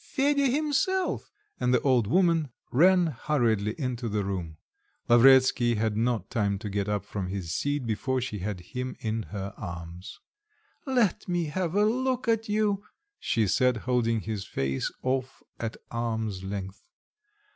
"Fedya himself!" and the old woman ran hurriedly into the room. Lavretsky had not time to get up from his seat before she had him in her arms. "Let me have a look at you," she said, holding his face off at arm's length.